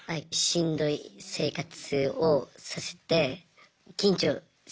しんどい生活をさせて緊張するように。